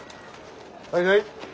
はいはい。